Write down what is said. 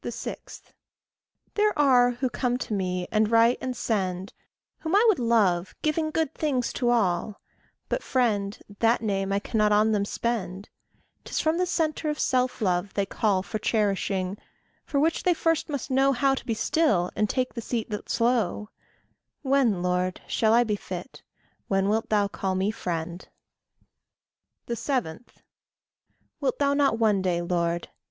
6. There are who come to me, and write, and send, Whom I would love, giving good things to all, But friend that name I cannot on them spend; 'Tis from the centre of self love they call For cherishing for which they first must know How to be still, and take the seat that's low: When, Lord, shall I be fit when wilt thou call me friend? 7. Wilt thou not one day, Lord?